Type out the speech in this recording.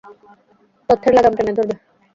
তথ্যের লাগাম টেনে ধরবে!